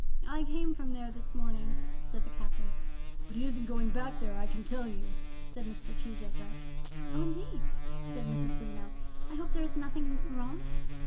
"I came from there this morning," said the Captain. "But he isn't going back there, I can tell you," said Mr. Cheesacre. "Oh, indeed," said Mrs. Greenow; "I hope there is nothing wrong."